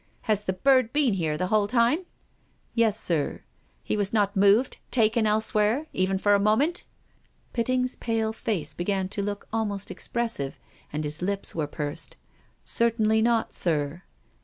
" Has the bird been here the whole time? " "Yes, sir." " He was not moved, taken elsewhere, even for a moment ?" Pitting's pale face began to look almost expres sive, and his lips were pursed. " Certainly not, sir."